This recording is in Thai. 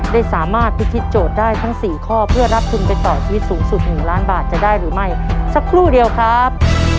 ได้สามารถพิธีโจทย์ได้ทั้งสี่ข้อเพื่อรับทุนไปต่อชีวิตสูงสุด๑ล้านบาทจะได้หรือไม่สักครู่เดียวครับ